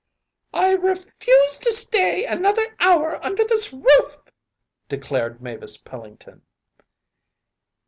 “I refuse to stay another hour under this roof,‚ÄĚ declared Mavis Pellington.